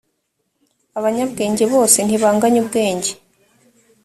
abanyabwenge bose ntibanganya ubwenge.